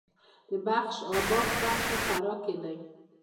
د بخش اباد بند په فراه کې دی